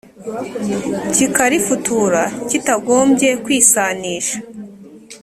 kikarifutura kitagombye kwisanisha